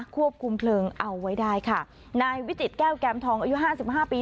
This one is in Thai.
ควบคุมเพลิงเอาไว้ได้ค่ะนายวิจิตแก้วแกมทองอายุห้าสิบห้าปี